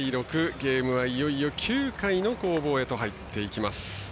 ゲームはいよいよ９回の攻防へと入っていきます。